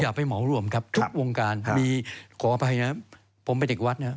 อย่าไปเหมารวมทุกวงการมีขออภัยนะผมเป็นเด็กวัสด์นะ